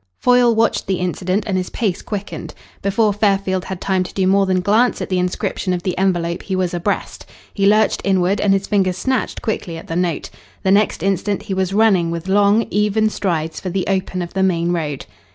Foyle watched the incident and his pace quickened. Before Fairfield had time to do more than glance at the inscription of the envelope he was abreast. He lurched inward and his fingers snatched quickly at the note. The next instant he was running with long, even strides for the open of the main road.